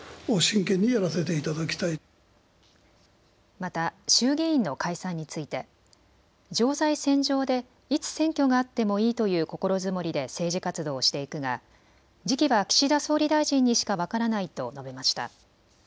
また衆議院の解散について常在戦場でいつ選挙があってもいいという心積もりで政治活動をしていくが時期は岸田総理大臣にしか分からないと述べました。